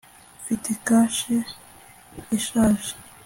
mfite kashe ishaje